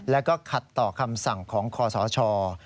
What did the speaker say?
แล้วก็ขัดต่อคำสั่งของคอสช